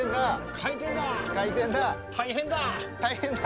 大変だ。